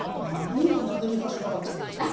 家でなぜリハしなかったんですか？